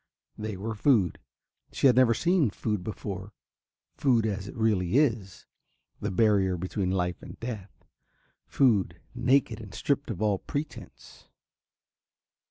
They were food. She had never seen food before, food as it really is, the barrier between life and death, food naked and stripped of all pretence.